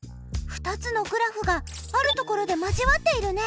２つのグラフがあるところで交わっているね。